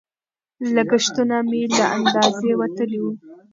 لګښتونه مې له اندازې وتلي وو.